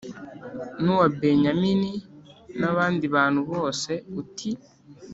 n’uwa Benyamini n’abandi bantu bose uti